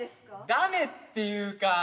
駄目っていうか。